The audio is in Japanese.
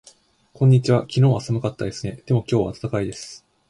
こんにちは。昨日は寒かったですね。でも今日は暖かいです。